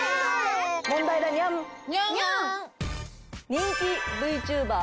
人気ＶＴｕｂｅｒ